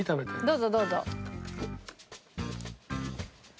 どうぞどうぞ。